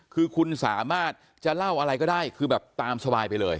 คือคุณสามารถจะเล่าอะไรก็ได้คือแบบตามสบายไปเลย